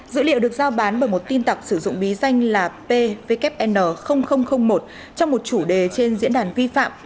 dữ liệu được giao bán bởi một tin tặc sử dụng bí danh là pvkn một trong một chủ đề trên diễn đàn vi phạm